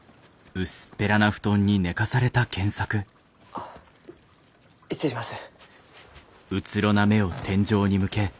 あ失礼します。